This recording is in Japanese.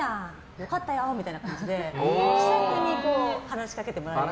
良かったよ！っていう感じで気さくに話しかけてもらって。